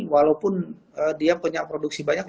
walaupun dia punya produksi banyak